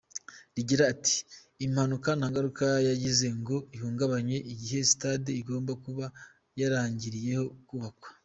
Rigira riti “Impanuka nta ngaruka yagize ngo ihungabanye igihe stade igomba kuba yarangiriyeho kubakwa.